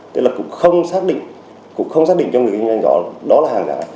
tức là cũng không xác định cũng không xác định cho người kinh doanh đó là hàng giả